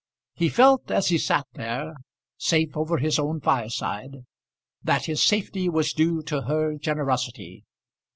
He felt, as he sat there, safe over his own fireside, that his safety was due to her generosity.